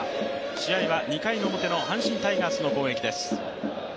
試合は２回表の阪神タイガースの攻撃です。